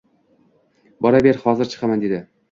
Boraver hozir chiqaman, dedi